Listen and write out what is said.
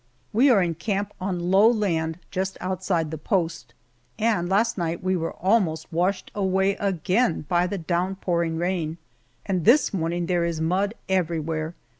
We are in camp on low land just outside the post, and last night we were almost washed away again by the down pouring rain, and this morning there is mud everywhere.